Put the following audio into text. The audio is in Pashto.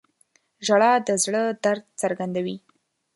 • ژړا د زړه درد څرګندوي.